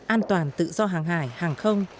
an toàn tự do hàng hải hàng không